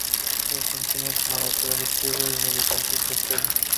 Se desempeña como lateral izquierdo y mediocampista externo.